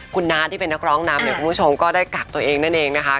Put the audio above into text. คุณน้าที่เป็นนักร้องนำเนี่ยคุณผู้ชมก็ได้กักตัวเองนั่นเองนะคะ